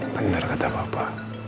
benar kata papa